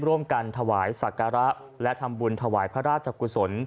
ร่วมกันถวายศักระและทำบุญถวายพระราชกุศล